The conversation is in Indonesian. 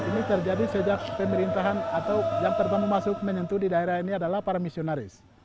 ini terjadi sejak pemerintahan atau yang terbaru masuk menyentuh di daerah ini adalah para misionaris